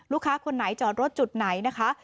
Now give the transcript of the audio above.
คนไหนจอดรถจุดไหนนะคะ